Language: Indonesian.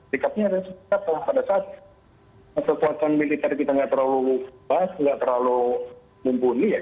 sikatnya ada sikat pada saat kekuatan militer kita tidak terlalu bas